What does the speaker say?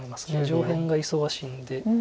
上辺が忙しいんで。